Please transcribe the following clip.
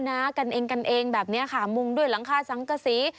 ชันทรัพย์กันเองกันเองแบบเนี้ยค่ะมงด้วยหลังฆาตสังกษี